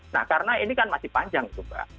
nah karena ini kan masih panjang itu mbak